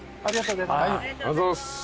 ありがとうございます。